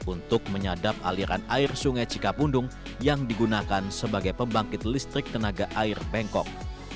untuk menyadap aliran air sungai cikapundung yang digunakan sebagai pembangkit listrik tenaga air bangkok